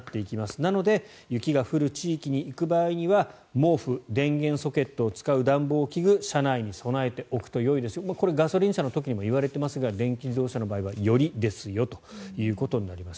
なので、雪が降る地域に行く場合には、毛布電源ソケットを使う暖房器具車内に備えておくとよいですこれ、ガソリン車の時にも言われていますが電気自動車の時はよりですよということになります。